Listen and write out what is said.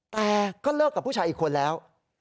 แต่ก็เลิกกับผู้ชายอีกคนแล้ว